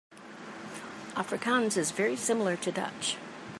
Afrikaans is very similar to Dutch.